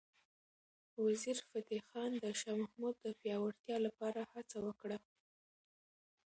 وزیرفتح خان د شاه محمود د پیاوړتیا لپاره هڅه وکړه.